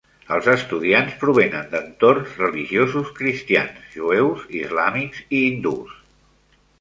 Els estudiants provenen d'entorns religiosos cristians, jueus, islàmics i hindús.